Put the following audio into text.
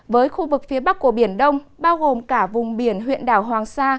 với khu vực phía bắc của biển đông bao gồm cả vùng biển huyện đảo hoàng sa